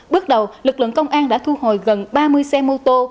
bước đầu lực lượng công an đã thu hồi gần ba mươi xe mô tô